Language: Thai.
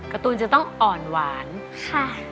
การ์ตูนจะต้องอ่อนหวานค่ะ